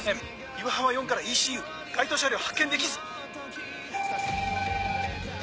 岩浜４からＥＣＵ該当車両発見できず。